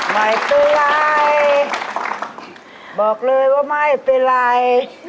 ไม่เป็นไรบอกเลยว่าไม่เป็นไร